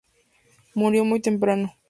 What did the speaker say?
Murió muy temprano.